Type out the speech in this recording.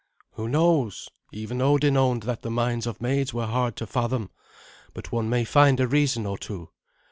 "Who knows? Even Odin owned that the minds of maids were hard to fathom. But one may find a reason or two.